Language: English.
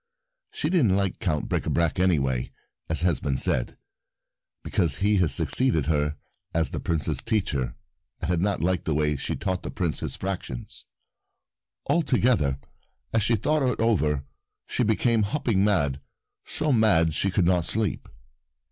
She didn't like Count Bricabrac any way, as has been said, because he had succeeded her as the Prince's teacher and had not liked the way she had taught the Prince his fractions. Altogether, as she thought it over she became hopping mad, so mad she could not sleep.